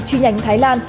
chi nhánh thái lan